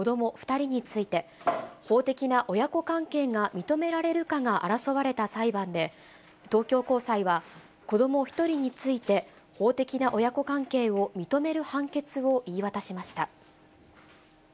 ２人について、法的な親子関係が認められるかが争われた裁判で、東京高裁は、子ども１人について、法的な親子関係を認める判決を言い渡しました。